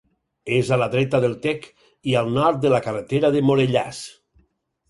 És a la dreta del Tec i al nord de la carretera de Morellàs.